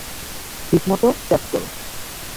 ঠিক মতো চেপ কর।